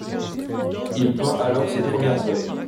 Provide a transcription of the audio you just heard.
Il peint alors ses premières œuvres.